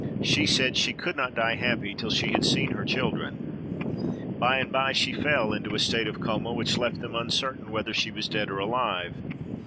She said she could not die happy till she had seen her children. By and by she fell into a state of coma, which left them uncertain whether she was dead or alive.